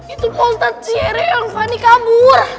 itu pak ustadz siere yang fani kabur